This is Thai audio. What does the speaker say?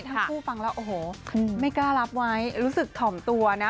ทั้งคู่ฟังแล้วโอ้โหไม่กล้ารับไว้รู้สึกถ่อมตัวนะ